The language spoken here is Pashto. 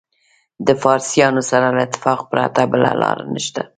د فارسیانو سره له اتفاق پرته بله لاره نشته.